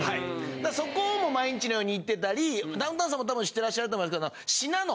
だからそこも毎日のように行ってたりダウンタウンさんも多分知ってらっしゃると思いますけど「信濃」。